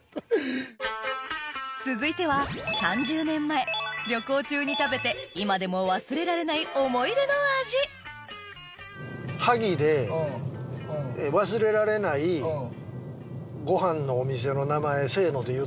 続いては３０年前旅行中に食べて今でも忘れられない想い出の味の名前。